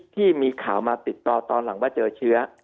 ที่มีข่าวมาติดต่อตอนหลังว่าเจอเชื้อ